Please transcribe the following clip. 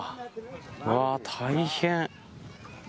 うわあ、大変。